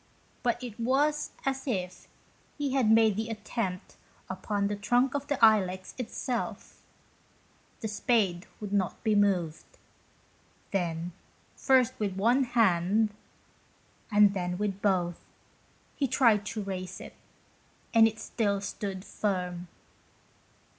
But it was as if he had made the attempt upon the trunk of the Ilex itself. The spade would not be moved. Then, first with one hand, and then with both, he tried to raise it, and still it stood firm.